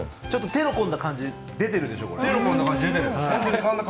ちょっと手の込んだ感じ、出てるでしょ？